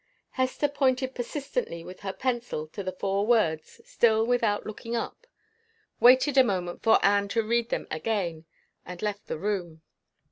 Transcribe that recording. Hester pointed persistently with her pencil to the four words, still without looking up waited a moment for Anne to read them again and left the room.